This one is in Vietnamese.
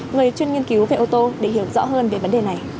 người chuyên nghiên cứu về ô tô để hiểu rõ hơn về vấn đề này